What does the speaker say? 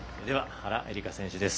原英莉花選手です。